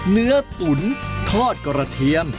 เนื้อตุ๋นทอดกระเทียม